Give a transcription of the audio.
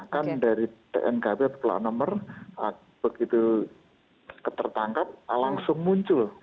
kan dari tnkt plat nomor begitu tertangkap langsung muncul